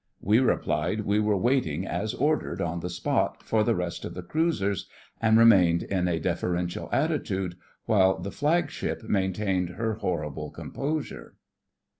We replied we were waiting as ordered on that spot, for the rest of the cruisers, and remained in a deferential attitude, while the Flagship maintained her horrible composure.